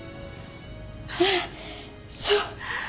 あっそう。